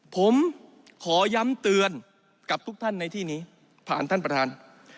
ผมขอย้ำเตือนกับทุกท่านในที่นี้ผ่านท่านประธาน